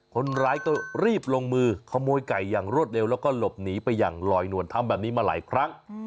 คนร้ายก็รีบลงมือขโมยไก่อย่างรวดเร็วแล้วก็หลบหนีไปอย่างลอยนวลทำแบบนี้มาหลายครั้ง